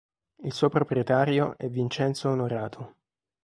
Il suo proprietario è Vincenzo Onorato.